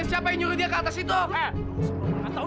siapa yang nyuruh dia ke atas itu